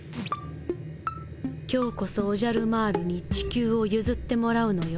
今日こそオジャルマールに地球をゆずってもらうのよ